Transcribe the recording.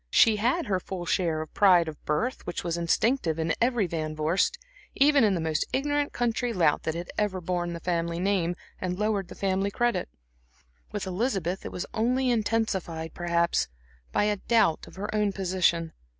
She had her full share of the pride of birth which was instinctive in every Van Vorst, even in the most ignorant country lout that had ever borne the family name and lowered the family credit. With Elizabeth it was only intensified, perhaps, by a doubt of her own position.